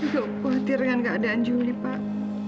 cukup khawatir dengan keadaan juli pak